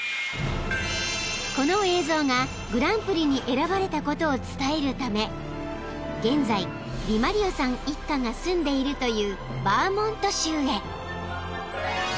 ［この映像がグランプリに選ばれたことを伝えるため現在ディマリオさん一家が住んでいるというバーモント州へ］